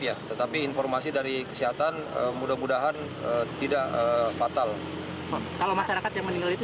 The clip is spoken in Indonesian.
ya tetapi informasi dari kesehatan mudah mudahan tidak fatal kalau masyarakat yang meninggal itu